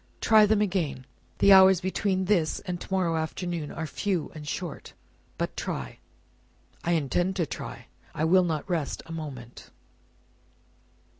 "Try them again. The hours between this and to morrow afternoon are few and short, but try." "I intend to try. I will not rest a moment."